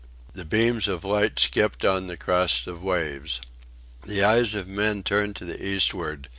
The beams of light skipped on the crests of waves. The eyes of men turned to the eastward.